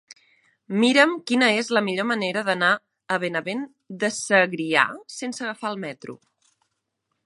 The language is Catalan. Mira'm quina és la millor manera d'anar a Benavent de Segrià sense agafar el metro.